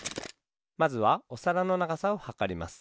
まずはおさらのながさをはかります。